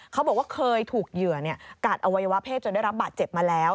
เขาบอกว่าเคยถูกเหยื่อกัดอวัยวะเพศจนได้รับบาดเจ็บมาแล้ว